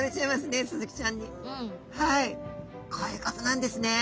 はいこういうことなんですね。